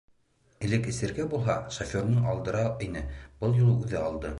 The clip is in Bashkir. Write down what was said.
Элек эсергә булһа шоферынан алдыра ине - был юлы үҙе алды.